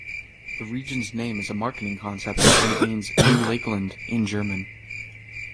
The region's name is a marketing concept and it means "New Lakeland" in German.